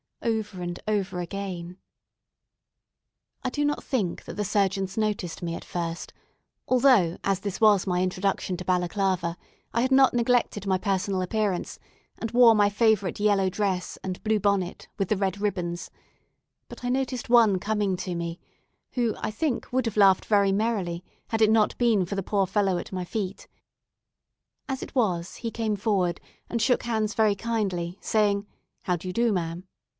over and over again. I do not think that the surgeons noticed me at first, although, as this was my introduction to Balaclava, I had not neglected my personal appearance, and wore my favourite yellow dress, and blue bonnet, with the red ribbons; but I noticed one coming to me, who, I think, would have laughed very merrily had it not been for the poor fellow at my feet. As it was, he came forward, and shook hands very kindly, saying, "How do you do, ma'am?